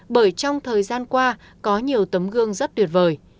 bởi trong thời gian qua có nhiều tấm gương rất tuyệt vời